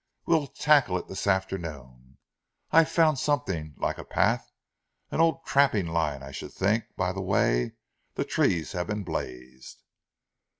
We'll tackle it this afternoon. I've found something, like a path, an old trapping line I should think by the way the trees have been blazed."